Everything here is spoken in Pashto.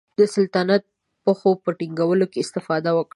د سلطنت د پښو په ټینګولو کې استفاده وکړه.